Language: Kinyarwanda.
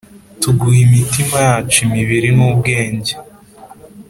Tuguha imitima yacu imibiri n’ubwenge